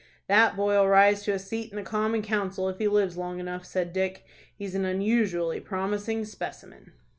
"That boy'll rise to a seat in the Common Council if he lives long enough," said Dick. "He's an unusually promising specimen."